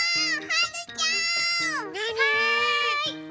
はい！